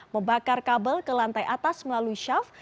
membakar kabel ke lantai atas melalui syaf